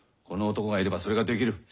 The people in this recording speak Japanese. この男がいればそれができる。